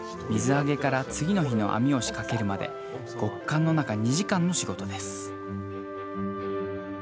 水揚げから次の日の網を仕掛けるまで極寒の中２時間の仕事です